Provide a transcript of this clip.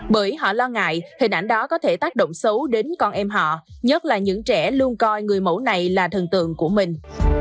bởi họ lo ngại hình ảnh đó có thể tác động xấu đến con em họ nhất là những trẻ luôn coi người mẫu này là thần tượng của mình